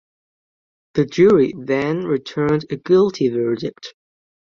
The jury then returned a guilty verdict.